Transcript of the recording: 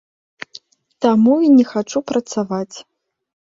Таму і не хачу працаваць.